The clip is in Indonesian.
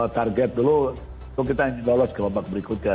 target dulu itu kita ingin lolos kelompok berikut ya